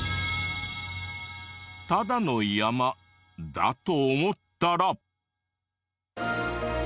ただの山だと思ったら。